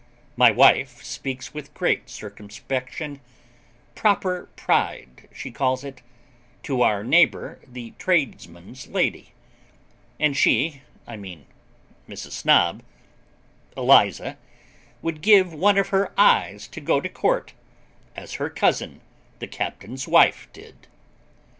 My wife speaks with great circumspection 'proper pride,' she calls it to our neighbour the tradesman's lady: and she, I mean Mrs. Snob, Eliza would give one of her eyes to go to Court, as her cousin, the Captain's wife, did.